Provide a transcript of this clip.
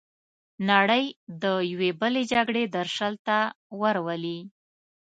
نړۍ د یوې بلې جګړې درشل ته ورولي.